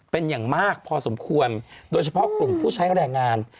เป็นอย่างมากพอสมควรโดยเฉพาะกลุ่มผู้ใช้แรงงาน